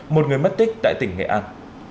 một người mất tích tại tỉnh nghệ an